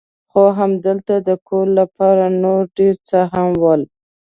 خو همالته د کولو لپاره نور ډېر څه هم ول.